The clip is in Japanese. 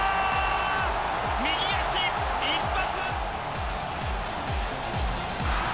右足、一発！